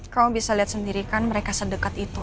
kamu bisa liat sendiri kan mereka sedekat itu ah